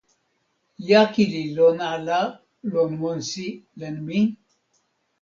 jaki li lon ala lon monsi len mi?